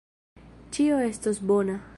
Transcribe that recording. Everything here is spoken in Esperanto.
Ĉio estos bona.